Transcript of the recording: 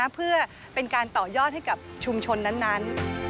เพื่อเป็นการต่อยอดให้กับชุมชนนั้น